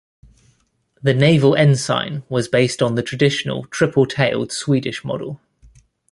The naval ensign was based on the traditional triple-tailed Swedish model.